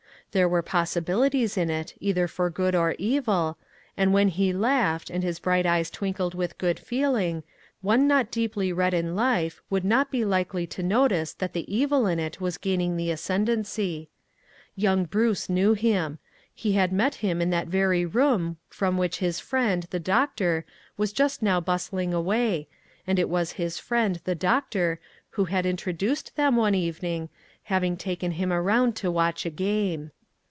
There were possibilities in it, either for good or evil, and when he laughed, and his bright eyes twinkled with good feeling, one not deeply 138 ONE COMMONPLACE DAY. read in life would not be likely to notice that the evil in it was gaining the ascend ency. Young Bruce knew him. He had met him in that very room from which his friend, the doctor, was just now bustling away, and it was his friend, the doctor, who had in troduced them one evening, having taken him around to watch a game.